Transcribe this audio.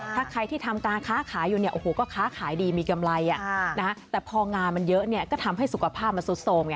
ถ้าใครที่ทำการค้าขายอยู่เนี่ยโอ้โหก็ค้าขายดีมีกำไรแต่พองานมันเยอะเนี่ยก็ทำให้สุขภาพมันซุดโทรม